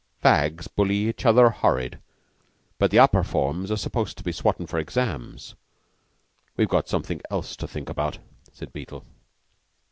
"Fags bully each other horrid; but the upper forms are supposed to be swottin' for exams. They've got something else to think about," said Beetle.